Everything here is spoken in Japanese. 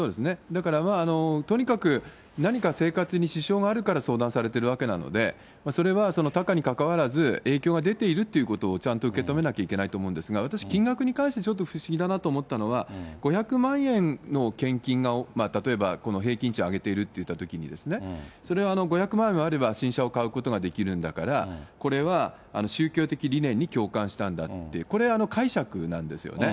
だからとにかく何か生活に支障があるから相談されてるわけなので、それは多寡に関わらず、影響が出ているということをちゃんと受け止めなければいけないと思うんですが、私、金額に関してちょっと不思議だなと思ったのは、５００万円の献金が、例えばこの平均値を上げているといったときに、それは５００万円あれば新車を買うことができるんだから、これは宗教的理念に共感したんだって、これ、解釈なんですよね。